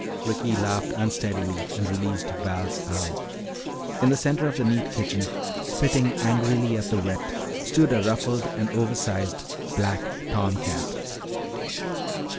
Ricky laughed unsteadily and released Val's arm. In the center of the neat kitchen, spitting angrily at the wet, stood a ruffled and oversized black tom cat.